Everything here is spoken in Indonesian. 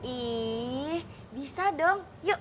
ih bisa dong yuk